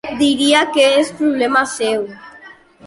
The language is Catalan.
Diria que és problema seu.